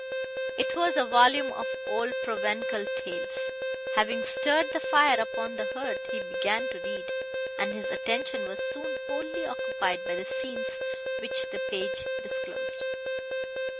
—It was a volume of old Provençal tales. Having stirred the fire into a brighter blaze, he began to read, and his attention was soon wholly occupied by the scenes which the page disclosed.